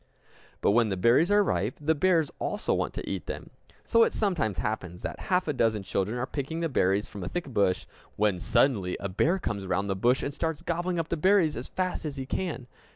But when the berries are ripe, the bears also want to eat them! So it sometimes happens that half a dozen children are picking the berries from a thick bush, when suddenly a bear comes round the bush and starts gobbling up the berries as fast as he can!